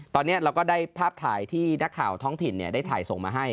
ตอนนี้เราก็ได้ภาพถ่ายที่นักข่าวท้องถิ่นได้ถ่ายส่งมาให้